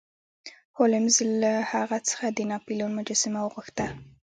هولمز له هغه څخه د ناپلیون مجسمه وغوښته.